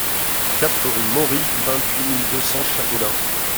quatre rue Maury, vingt-huit mille deux cents Châteaudun